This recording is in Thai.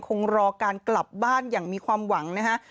คงรอการกลับบ้านอย่างมีความหวังนะฮะ